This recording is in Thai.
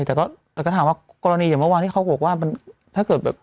แต่ก็แต่ก็ถามว่ากรณีอย่างเมื่อวานที่เขาบอกว่ามันถ้าเกิดแบบ